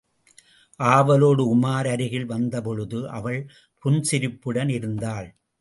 ஆவலோடு உமார் அருகில் வந்தபொழுது அவள் புன்சிரிப்புடன் இருந்தாள்.